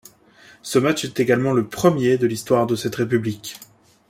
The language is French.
Ce match est également le premier de l'histoire de cette République.